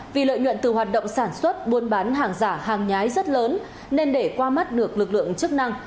vì lợi nhuận từ hoạt động sản xuất buôn bán hàng giả hàng nhái rất lớn nên để qua mắt được lực lượng chức năng